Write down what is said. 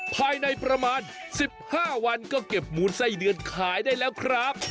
ภายในประมาณ๑๕วันก็เก็บมูลไส้เดือนขายได้แล้วครับ